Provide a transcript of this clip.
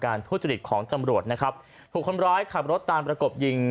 ทุจริตของตำรวจนะครับถูกคนร้ายขับรถตามประกบยิง